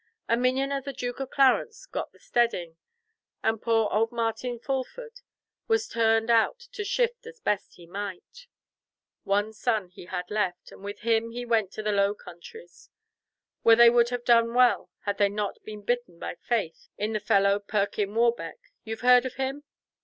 A minion of the Duke of Clarence got the steading, and poor old Martin Fulford was turned out to shift as best he might. One son he had left, and with him he went to the Low Countries, where they would have done well had they not been bitten by faith in the fellow Perkin Warbeck. You've heard of him?"